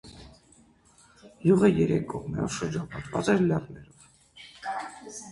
Գյուղը երեք կողմերով շրջապատված էր լեռներով։